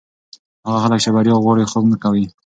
هغه خلک چې بریا غواړي، خوب نه کوي.